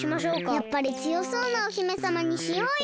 やっぱりつよそうなお姫さまにしようよ。